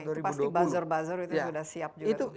itu pasti buzzer buzzer itu sudah siap juga